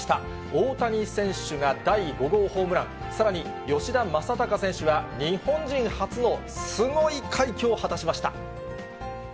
大谷選手が第５号ホームラン、さらに、吉田正尚選手が日本人初の、すごい快挙を果たしました。